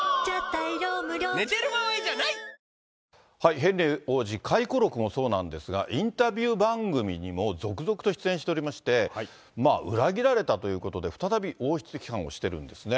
ヘンリー王子、回顧録もそうなんですが、インタビュー番組にも続々と出演しておりまして、裏切られたということで、再び王室批判をしてるんですね。